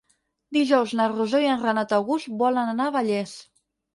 Dijous na Rosó i en Renat August volen anar a Vallés.